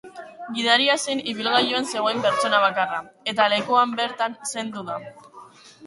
Gidaria zen ibilgailuan zegoen pertsona bakarra, eta lekuan bertan zendu da.